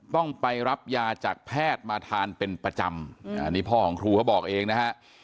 ต้องไปรับยาจากแพทย์มาทานเป็นประจำอันนี้พ่อของครูเขาบอกเองนะฮะ